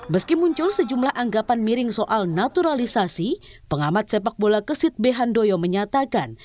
meski muncul sejumlah anggapan miring soal naturalisasi pengamat sepak bola kesit behandoyo menyatakan